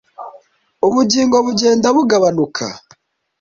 ubugingo bugenda bugabanuka